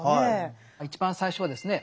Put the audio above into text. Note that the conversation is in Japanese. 一番最初はですね